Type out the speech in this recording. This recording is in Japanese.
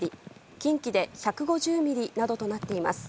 近畿で１５０ミリなどとなっています。